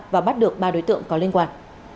và bắt được ba đối tượng có liên quan